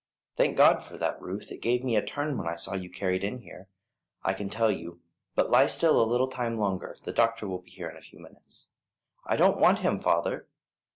"Thank God for that, Ruth. It gave me a turn when I saw you carried in here, I can tell you; but lie still a little time longer, the doctor will be here in a few minutes." "I don't want him, father."